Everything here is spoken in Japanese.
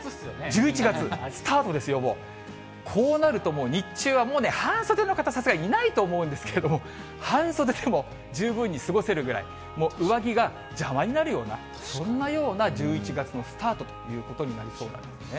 １１月、スタートですよ、もう、こうなるともう、日中はもう、半袖の方、さすがにいないと思うんですけれども、半袖でも十分に過ごせるぐらい、もう上着が邪魔になるような、そんなような１１月のスタートとということになりそうですね。